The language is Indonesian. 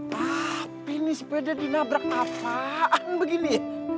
tapi nih sepeda dinabrak apaan begini